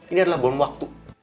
ini adalah bohong waktu